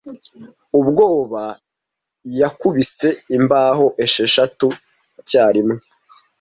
ubwoba yakubise imbaho esheshatu icyarimwe